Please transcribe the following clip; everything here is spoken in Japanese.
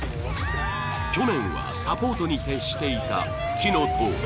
去年はサポートに徹していたふきのとう。